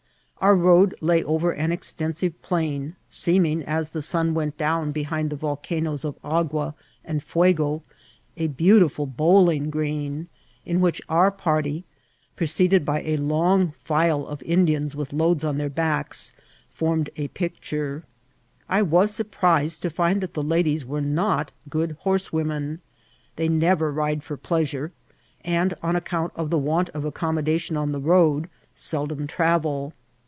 Our road lay 4iver an extensive plain, seeming, as the sua went down behind the volcanoes of Agua and Fuego, a beanfcifid bowling greoi, in which our party, preceded by a Icmg file of Indians with loads on their backs, formed a jMcture. I was surprised to find that the ladies were not good horsewomen. They never ride for pleasure, and, aa accoimt of the want of accommodation on the road, seldom travel.